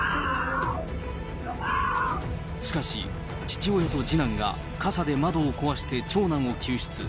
しかし、父親と次男が傘で窓を壊して長男を救出。